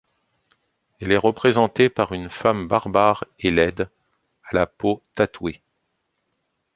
Elle est représentée par une femme barbare et laide, à la peau tatouée.